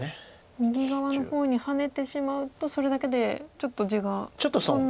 右側の方にハネてしまうとそれだけでちょっと地が損なので。